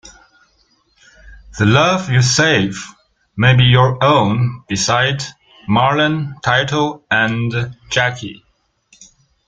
The love you save may be your own, beside Marlon, Tito and Jackie.